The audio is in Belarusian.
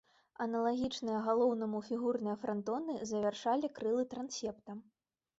Аналагічныя галоўнаму фігурныя франтоны завяршалі крылы трансепта.